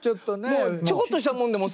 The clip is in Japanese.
もうちょこっとしたもんでも。